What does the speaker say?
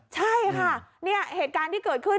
ใช่ค่ะเนี่ยเหตุการณ์ที่เกิดขึ้น